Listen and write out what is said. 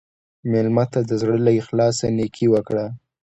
مېلمه ته د زړه له اخلاصه نیکي وکړه.